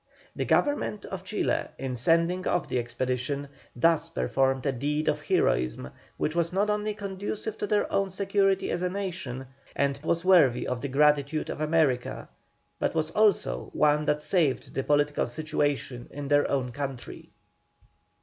The Government of Chile in sending off the expedition, thus performed a deed of heroism which was not only conducive to their own security as a nation, and was worthy of the gratitude of America, but was also one that saved the political situation in their own country.